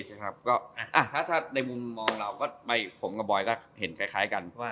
ถ้าในมุมมองเราก็ไปผมกับบอยร์ก็เห็นคล้ายกัน